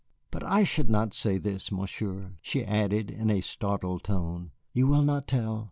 But I should not say this, Monsieur," she added in a startled tone. "You will not tell?